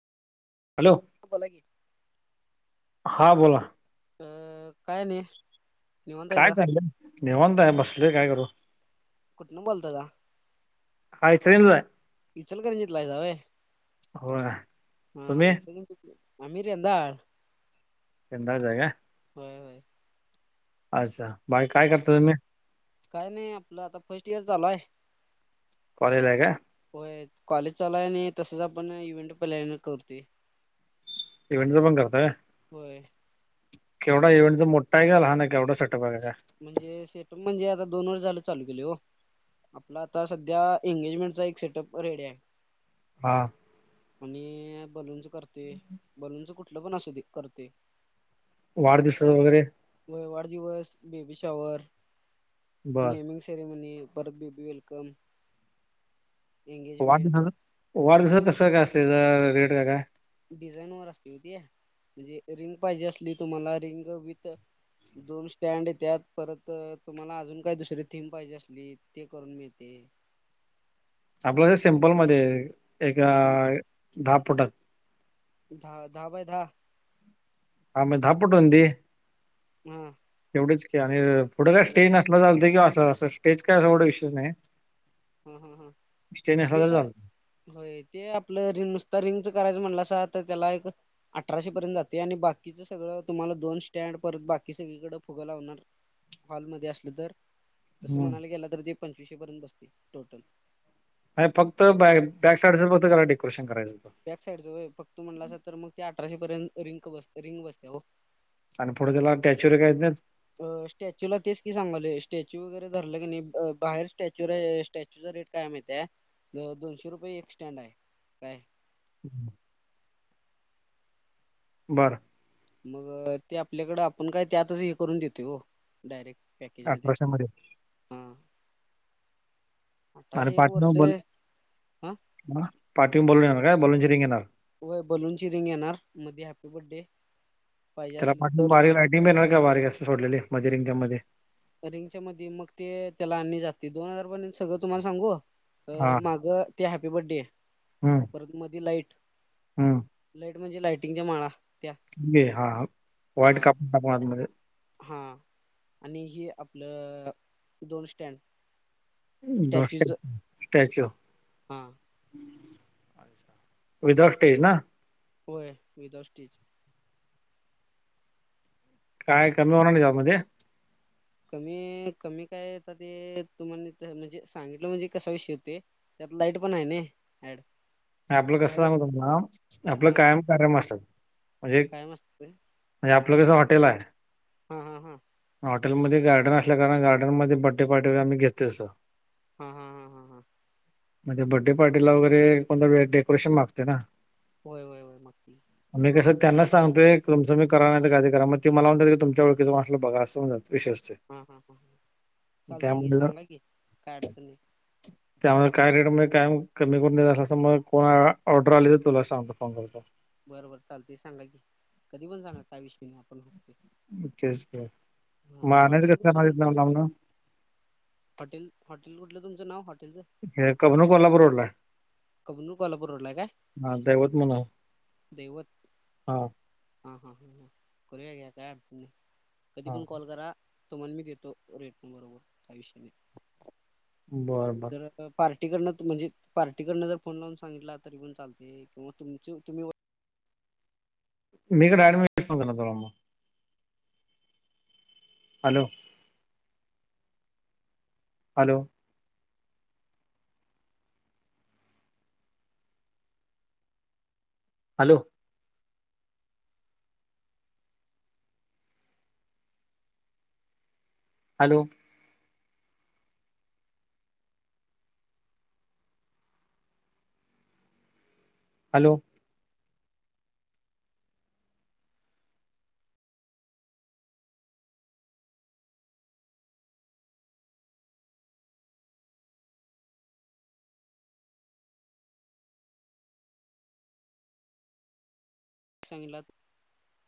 Hello? बोला की हां बोला. अ.. काय नाही. निवांत काय हायसा चाललंय निवांत आहे, बसल काय करू? कुठनं बोलता सा? हाय इचलकरंजीतला हाय. इचलकरंजीतला हायसा व्हय होय हा तुम्ही इचल आम्ही रेंदाळ. रेंदाळच हाय काय? व्हय व्हय! असा भाई काय हा करता तुम्ही? काय नाही आपलं आता फर्स्ट इयर चालू हाय. कॉलेजला हाय काय? व्हय कॉलेज चालू हाय आणि तसच आपण इव्हेंट प्लॅन करतोय. इव्हेंटंच पण करताय व्हय? व्हय. केवढा इव्हेंटचा मोठा हाय का लहान हाय केवढा सेटअप हाय म्हणजे सेटअप म्हणजे आता दोन वर्ष झालं चालू केलंय हो. आपला आता सध्या एंगेजमेंटचा एक सेटअप रेडी हाय. हा! आणि बलूनच करतोय बलूनच कुठलं पण असू दे करतोय. वाढदिवसाच वगैरे? व्हय वाढदिवस बेबी शॉवर बर नेमिंग सेरेमनी पर बेबी वेलकम एंगेजमेंट वाढदिवसाच वाढदिवसाच कस काय असतंय रेट काय काय? डिझाईन वर असतंय हो ते म्हणजे रिंग पाहिजे असली तुम्हाला रिंग विथ दोन स्टँड येत्यात परत तुम्हाला अजून काय दुसरी थीम पाहिजे असली ते करून मिळेत. आपलं जर सिम्पलमध्ये एक दहा फुटात? दहा दहा बाय दहा? हा म्हणजे दहा फूट रुंदी. म. एवढच की आणि पुढं काय स्टेज नसला चालतोय किंवा असं असं स्टेज काय अस एवढ विशेष नाही हम्म हम्म हम्म स्टेज नसला ठीक तर हाय! होय ते आपलं रिंग नुसत रिंगचं करायचं म्हणलासा तर त्याला एक अठराशे पर्यंत जाते आणि बाकीच सगळं तुम्हाला दोन स्टँड परत बाकी सगळीकडे फुगं लावणार हॉलमध्ये असलं तर तसं चालतंय म्हणायला गेलं तर ते पंचवीशे पर्यंत बसते टोटल. न्हाय फक्त बॅ बॅक साइडच फक्त त्याला डेकोरेशन करायचं बॅक साइडच व्हय फक्त म्हंटलासा तर मग ते अठराशे पर्यंत रिंग बस रिंग बसत्या हो! आणि पुढं त्याला टॅच्युरी काय येत नाहीत. अ स्टॅच्यू ला तेच की सांगालोय स्टॅच्यू वगैरे धरलं कणी नाही बाहेर स्टॅच्यूला स्टॅच्यूचा रेट काय हाय माहित हाय दोनशे रुपये एक स्टँड हाय. हम्म! बरं! मग ते आपल्याकड आपण काय त्यातच हे करून देतोय ओ डायरेक्ट पॅकेजमध्ये अठराशे मध्ये हा! आणि अठराशे एक पाठून वरच हा बलून पाठीवर बलून येणार काय बलूनची रिंग येणार? व्हय बलूनची रिंग येणार मधी हॅप्पी बर्डे त्याला पाठून बारीक लायटिंग बी येणार काय बारीक असं सोडलेले मधी रिंग मध्ये? रिंगच्या मध्ये मग ते त्याला आणले जाते दोन हजारपर्यंत सगळं तुम्हाला सांगू अ हा मागं ते हॅपी बड्डे परत मधी लाईट हूं लाईट म्हणजे लाईटिंगच्या माळा त्या ने हा हा वायड कापूण टाकू आतमध्ये हा आणि हे आपलं अ दोन स्टँड आणि दोन स्टॅच्यूच स्टॅच्यू स्टॅचो हा ऐसा विदाउट स्टेज ना होय विदाउट स्टेज काय कमी होणार नाय त्या मध्ये कमी कमी काय आता ते तुम्हाला ते म्हणजे सांगितला म्हणजे कसा विषय होते त्यात लाइट पण हाय नय ऍड आपलं कसं बाहेर सांगु तुम्हाला, आपलं हा कायम काम असल म्हणजे काय मस्त म्हणजे आपलं कसं हॉटेल हाय हा हा हा म हॉटेलमध्ये गार्डन असल्या कारण, गार्डन मध्ये बड्डे पार्टी वगैरे आम्ही घेतो अस हां हां हां हां हां म त्या बड्डे पार्टीला वगैर, कोण ना [unintelligible] डेकोरेशन मागते ना होय होय होय. मागती मी कसं त्यांना सांगतोय, तुमच तुमी करा, नायतर काय तर करा, म ते मला म्हणतात की तुमच्या ओळखीच कोणं असलं त बघा असं म्हण विषय असतय हा हा हा ह चालतय की सांगा, की काय अडचण नाय. त्यामुळं काय रेटमध्ये काय कमी करून देत असलास त मग कोण ऑर्डर आली तर तुला सांगतो फोन करतो. बर बर चालतय सांगा की कधी पण सांगा काय विषय नाय आपण हासतोय. म तेच की, म आणायच हॉटेल कस काय कुठलं म तुमचं इथन लामन हॉटेल, हॉटेल कुठलं तुमंच, नाव हॉटेलचं हे कबनू कोल्हापूर रोडला हाय. कबनू कोल्हापूर रोडला हाय काय? हा दैवत म्हणून देवत हा, हा हा हा ह करूया की, काय अडचण नाय, कधी हा पण कॉल करा तुम्हाला मी देतो, रेटनं बरोबर, काय विषय नाय, बरं बरं तर आता पार्टी करण, म्हणजे पार्टी करण जर फोन लावून सांगितला तरी पण चालतय, किंवा तुमचं तुम्ही मी इकड [unintelligible] सांगतो ना तवा म hello, hello, hello, hello, hello, सांगितलात